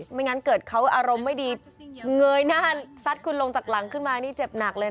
ไม่งั้นเกิดเขาอารมณ์ไม่ดีเงยหน้าซัดคุณลงจากหลังขึ้นมานี่เจ็บหนักเลยนะ